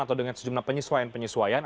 atau dengan sejumlah penyesuaian penyesuaian